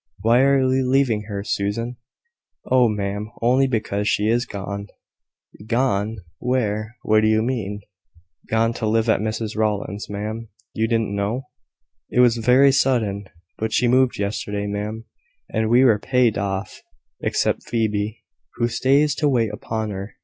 "Why are you leaving her, Susan?" "Oh, ma'am, only because she is gone." "Gone! where? what do you mean?" "Gone to live at Mrs Rowland's, ma'am. You didn't know? it was very sudden. But she moved yesterday, ma'am, and we were paid off except Phoebe, who stays to wait upon her.